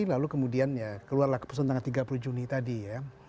lalu kemudian ya keluar lah ke pusat tanggal tiga puluh juni tadi ya